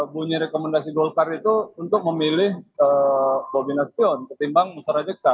bunyi rekomendasi golkar itu untuk memilih bobi nasution ketimbang mustarajiksa